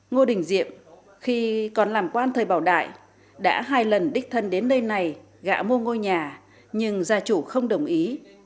ngô đình diệm khi còn làm quan thời bảo đại đã hai lần đích thân đến nơi này gạ mua ngôi nhà nhưng gia chủ không đồng ý